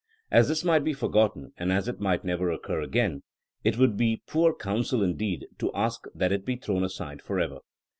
As this might be forgotten, and as it might never occur again, it would be poor counsel in deed to ask that it be thrown aside forever.